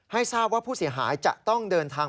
ให้ทราบว่าผู้เสียหายจะต้องเดินทาง